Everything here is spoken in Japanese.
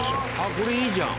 これいいじゃん！